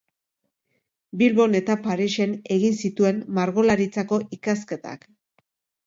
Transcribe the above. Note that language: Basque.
Bilbon eta Parisen egin zituen Margolaritzako ikasketak.